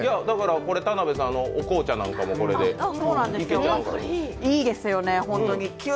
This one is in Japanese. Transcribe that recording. これ、田辺さん、お紅茶なんかもこれでいけちゃう。